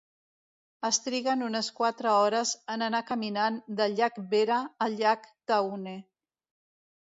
Es triguen unes quatre hores en anar caminant del llac Vera al llac Tahune.